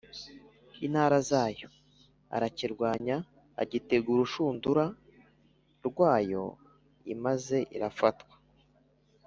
Intara zayo arakirwanya agitega urushundura rwayo imaze irafatwa